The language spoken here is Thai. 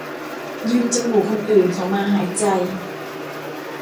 ยืมจมูกคนอื่นเขามาหายใจ